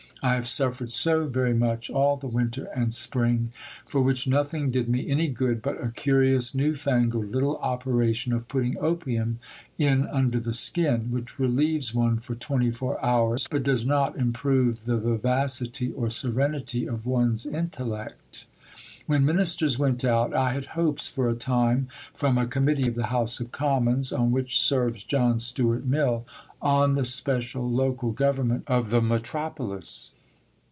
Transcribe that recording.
I have suffered so very much all the winter and spring, for which nothing did me any good but a curious new fangled little operation of putting opium in under the skin, which relieves one for 24 hours, but does not improve the vivacity or serenity of one's intellect. When Ministers went out, I had hopes for a time from a Committee of the House of Commons (on which serves John Stuart Mill) "on the special local government of the Metropolis."